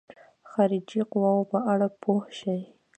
خارجي قواوو په اړه پوه شي.